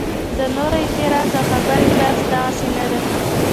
د نورو اعتراض او خبرې طرز دغسې نه دی.